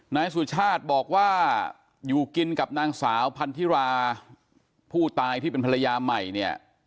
นายสุชาติบอกว่าอยู่กินกับนางสาวพันธิราผู้ตายที่เป็นภรรยาใหม่เนี่ย